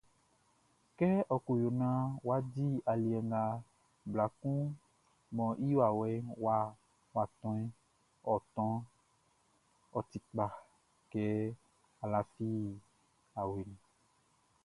Kɛ ɔ ko yo naan wʼa di aliɛ nga bla kun mɔ i wawɛʼn wʼa tɔʼn, ɔ tɔnʼn, ɔ ti kpa, kɛ n lafi awe nunʼn.